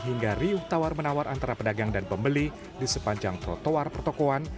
hingga riuh tawar menawar antara pedagang dan pembeli di sepanjang trotoar pertokoan